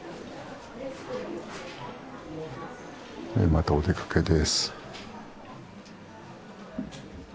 またお出かけです。